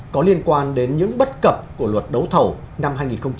có liên quan đến những bất cập của luật đấu thầu năm hai nghìn một mươi